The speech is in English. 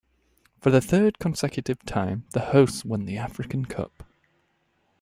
For the third consecutive time the hosts won the African Cup.